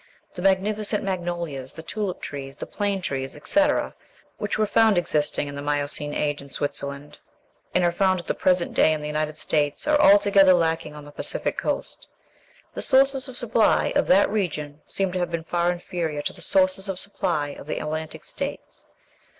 The magnificent magnolias, the tulip trees, the plane trees, etc., which were found existing in the Miocene Age in Switzerland, and are found at the present day in the United States, are altogether lacking on the Pacific coast. The sources of supply of that region seem to have been far inferior to the sources of supply of the Atlantic States.